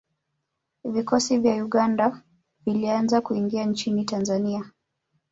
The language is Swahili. Vikosi vya Uganda vilianza kuingia nchini Tanzania